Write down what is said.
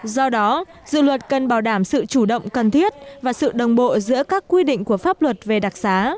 do đó dự luật cần bảo đảm sự chủ động cần thiết và sự đồng bộ giữa các quy định của pháp luật về đặc xá